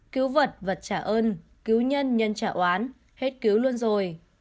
cứu vật và trả ơn cứu nhân nhân trả oán hết cứu luôn rồi